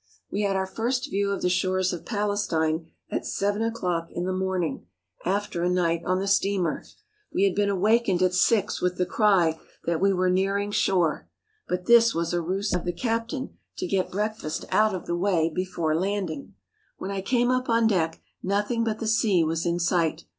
We had our first view of the shores of Palestine at seven o'clock in the morning, after a night on the steamer. We had been awakened at six with the cry that we were nearing shore, but this was a ruse of the captain to get breakfast out of the way before landing. When I came up on deck nothing but the sea was in sight.